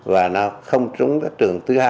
và nó không trúng trường thứ hai